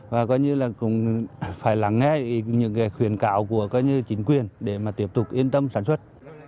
và cũng phải lắng nghe những cái khuyến cảo của chính quyền để mà tiếp tục yên tâm sản xuất